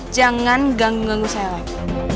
jangan ganggu ganggu saya lagi